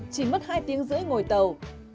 chỉ mất hai tiếng rưỡi ngồi tàu